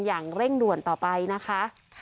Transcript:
อย่างเร่งด่วนต่อไปนะคะ